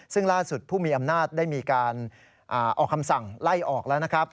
ซึ่งล่าสุดผู้มีอำนาจได้มีการออกคำสั่งไล่ออกแล้วนะครับ